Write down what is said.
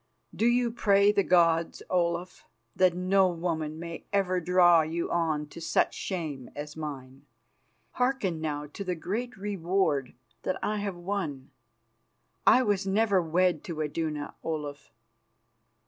Do you pray the gods, Olaf, that no woman may ever draw you on to such shame as mine. Hearken now to the great reward that I have won. I was never wed to Iduna, Olaf.